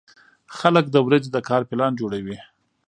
خلک د ورځې د کار پلان جوړوي